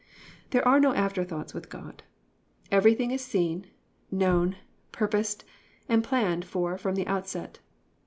"+ There are no after thoughts with God. Everything is seen, known, purposed and planned for from the outset.